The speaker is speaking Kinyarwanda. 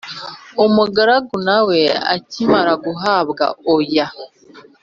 umugaragu nawe akimara guhabwa ayo